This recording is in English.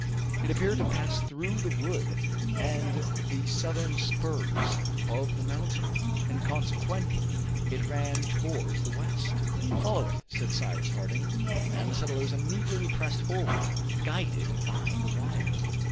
It appeared to pass through the wood and the southern spurs of the mountain, and consequently it ran towards the west. "Follow it!" said Cyrus Harding. And the settlers immediately pressed forward, guided by the wire.